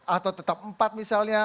atau tetap empat misalnya